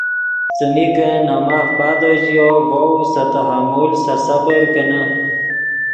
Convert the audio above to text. څیمی کہ نے ماف پادو ژیو ڤؤ سے تحمل سے صبر کینے